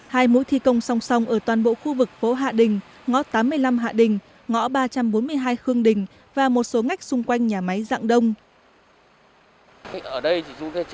hai mũi thi công song song ở toàn bộ khu vực phố hạ đình ngõ tám mươi năm hạ đình ngõ ba trăm bốn mươi hai khương đình và một số ngách xung quanh nhà máy dạng đông